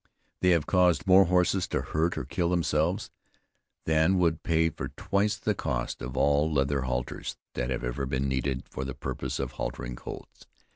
They have caused more horses to hurt or kill themselves, than would pay for twice the cost of all the leather halters that have ever been needed for the purpose of haltering colts.